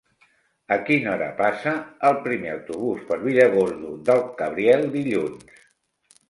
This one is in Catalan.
A quina hora passa el primer autobús per Villargordo del Cabriel dilluns?